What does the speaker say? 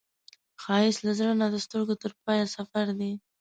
ښایست له زړه نه د سترګو تر پایه سفر دی